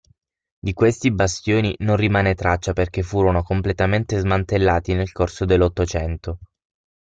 Di questi bastioni non rimane traccia perché furono completamente smantellati nel corso dell'Ottocento.